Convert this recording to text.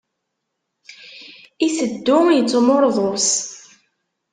Iteddu, ittmuṛḍus.